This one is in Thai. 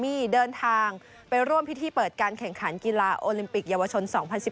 มี่เดินทางไปร่วมพิธีเปิดการแข่งขันกีฬาโอลิมปิกเยาวชน๒๐๑๘